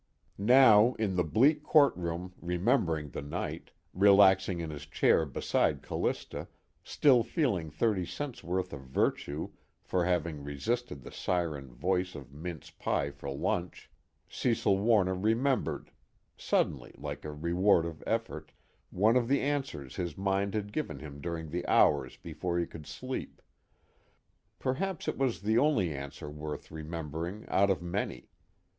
Now in the bleak courtroom remembering the night, relaxing in his chair beside Callista, still feeling thirty cents' worth of virtue for having resisted the siren voice of mince pie for lunch, Cecil Warner remembered suddenly, like a reward of effort one of the answers his mind had given him during the hours before he could sleep. Perhaps it was the only answer worth remembering out of many.